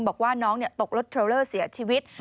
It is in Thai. บอกว่าน้องตกรถเทรลเลอร์เสียชีวิต